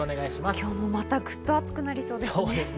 今日はまたグッと暑くなりそうですね。